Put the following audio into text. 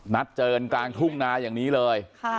นัดเจอกลางทุ่มนาอย่างนี้เลย